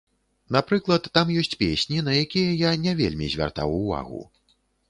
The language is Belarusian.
Напрыклад, там ёсць песні, на якія я не вельмі звяртаў увагу.